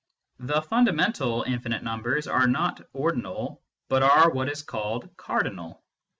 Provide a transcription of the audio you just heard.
The fundamental infinite numbers are not ordinal, but are what is called cardinal.